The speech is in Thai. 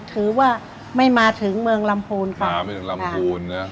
ถือว่าไม่มาถึงเมืองลำพูนค่ะมาไม่ถึงลำพูนนะ